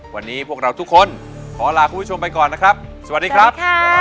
วันนี้พวกเราทุกคนขอลาคุณผู้ชมไปก่อนนะครับสวัสดีครับ